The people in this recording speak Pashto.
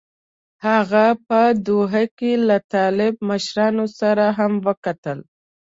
هغه په دوحه کې له طالب مشرانو سره هم وکتل.